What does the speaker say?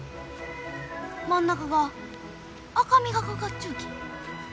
真ん中が赤みがかかっちゅうき。